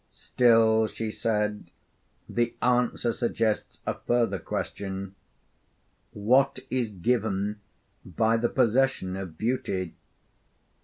'Still,' she said, 'the answer suggests a further question: What is given by the possession of beauty?'